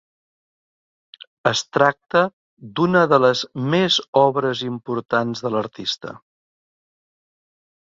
Es tracta d'una de les més obres importants de l'artista.